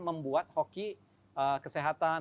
membuat hoki kesehatan